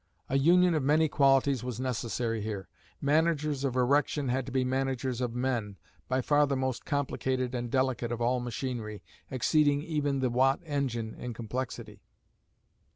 A union of many qualities was necessary here. Managers of erection had to be managers of men, by far the most complicated and delicate of all machinery, exceeding even the Watt engine in complexity.